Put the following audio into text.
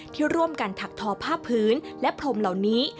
ที่ร่วมกันถักทอผ้าพื้นและพรมเหล่านี้